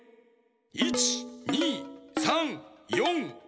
１２３４５６。